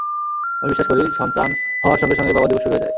আমি বিশ্বাস করি, সন্তান হওয়ার সঙ্গে সঙ্গেই বাবা দিবস শুরু হয়ে যায়।